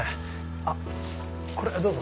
あっこれどうぞ。